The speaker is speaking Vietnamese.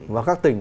và các tỉnh